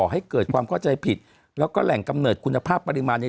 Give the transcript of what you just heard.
ให้เกิดความเข้าใจผิดแล้วก็แหล่งกำเนิดคุณภาพปริมาณใน